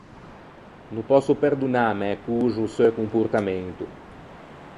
No pòsso perdonâ à mæ coxo o seu comportamento.